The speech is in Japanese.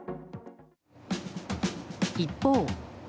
一方。